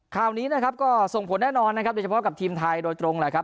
ข่าวนี้นะครับก็ส่งผลแน่นอนนะครับโดยเฉพาะกับทีมไทยโดยตรงแหละครับ